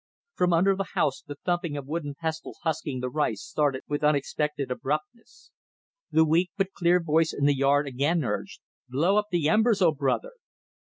From under the house the thumping of wooden pestles husking the rice started with unexpected abruptness. The weak but clear voice in the yard again urged, "Blow up the embers, O brother!"